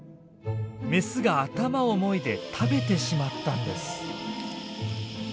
メスが頭をもいで食べてしまったんです。